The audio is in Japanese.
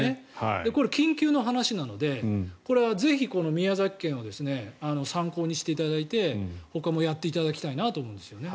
緊急の話なのでこれはぜひ、宮崎県を参考にしていただいてほかもやっていただきたいなと思いますね。